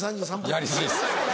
やり過ぎです